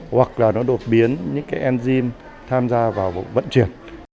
hoặc là nó đột biến những cái enzym tham gia vào vận chuyển